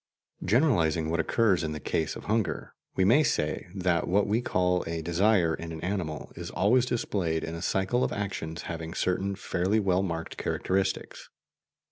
Generalizing what occurs in the case of hunger, we may say that what we call a desire in an animal is always displayed in a cycle of actions having certain fairly well marked characteristics.